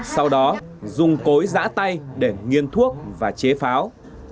sau đó dùng cối giã tay để nghiên thuốc và chế pháo